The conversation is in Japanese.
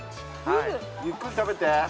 ゆっくり食べて。